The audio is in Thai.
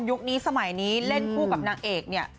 นี้สมัยนี้เล่นคู่กับนางเอกเนี่ย